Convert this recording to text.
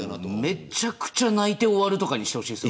めちゃくちゃ泣いて終わるとかにしてほしい。